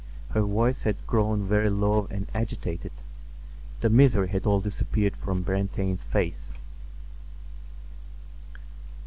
Her voice had grown very low and agitated. The misery had all disappeared from Brantain's face.